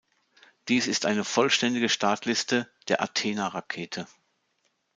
Dies ist eine vollständige Startliste der Athena-Rakete.